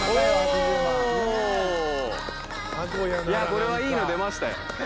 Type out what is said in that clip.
これはいいの出ましたよ。